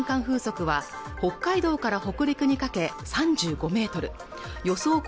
風速は北海道から北陸にかけ３５メートル予想